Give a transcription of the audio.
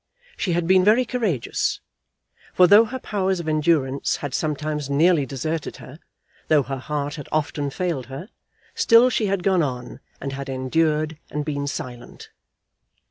She had been very courageous; for, though her powers of endurance had sometimes nearly deserted her, though her heart had often failed her, still she had gone on and had endured and been silent.